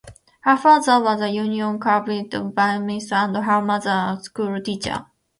Her father was a Union Carbide biochemist and her mother a schoolteacher.